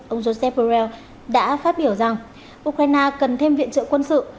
ông joseph borrell đã phát biểu rằng ukraine cần thêm viện trợ quân sự